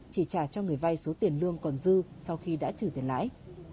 chỉ trả cho người vay số tiền lương còn dư sau khi đã trừ tiền lãi